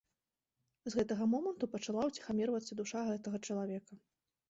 З гэтага моманту пачала ўціхамірвацца душа гэтага чалавека.